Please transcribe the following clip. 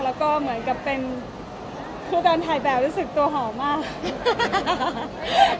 และก็เหมือนกับเป็นเคลิกันถ่ายแปลกรู้สึกตัวหอมมาก